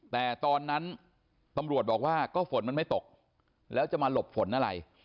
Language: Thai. แต่ตอนนั้นตำรวจบอกว่าก็ฝนมันไม่ตกแล้วจะมาหลบฝนอะไร